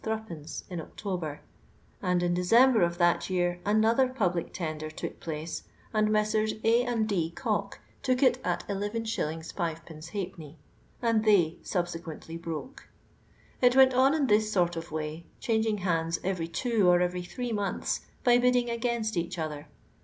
Zd, in October, and in December of that year another public tender took place, and Messrs. A. and D. Cock took it at lis. 5\d., and tUy suhsequetUly hroH. It went on in this sort of way,— changing hands every two or every three months, by bidding against each other.